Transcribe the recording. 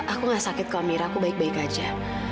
aku gak sakit kalau mira aku baik baik aja